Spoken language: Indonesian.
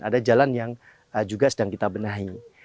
ada jalan yang juga sedang kita benahi